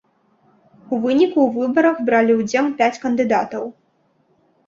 У выніку ў выбарах бралі ўдзел пяць кандыдатаў.